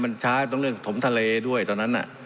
มันช้าตรงเรื่องถมทะเลด้วยตอนนั้น